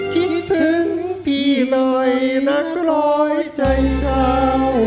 คิดถึงพี่หน่อยนักร้อยใจเถ้า